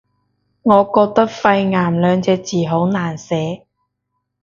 我覺得肺癌兩隻字好難寫